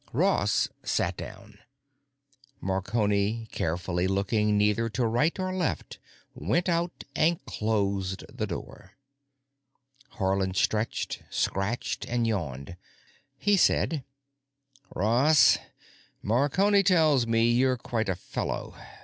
Ross sat down. Marconi, carefully looking neither to right or left, went out and closed the door. Haarland stretched, scratched, and yawned. He said: "Ross, Marconi tells me you're quite a fellow.